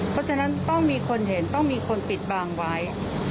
เพราะฉะนั้นต้องมีคนเห็นต้องมีคนปิดบางไว้